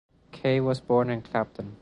Kaye was born in Clapton.